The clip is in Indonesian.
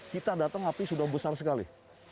kita datang api sudah besar sekali